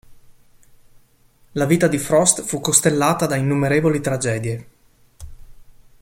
La vita di Frost fu costellata da innumerevoli tragedie.